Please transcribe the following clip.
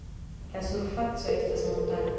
La surfaco estas montara.